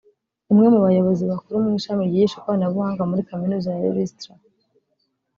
umwe mu bayobozi bakuru mu ishami ryigisha ikoranabuhanga muri kaminuza ya Ulster